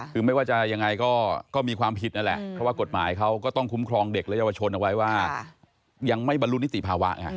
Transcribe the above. คือไม่ว่าจะยังไงก็มีความผิดนั่นแหละเพราะว่ากฎหมายเขาก็ต้องคุ้มครองเด็กและเยาวชนเอาไว้ว่ายังไม่บรรลุนิติภาวะไง